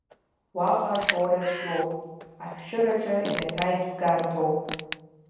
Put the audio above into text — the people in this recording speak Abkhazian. Уаҟа ашоура цәгьоуп, ашәшьыраҿы иаҭа иԥсгарҭоуп!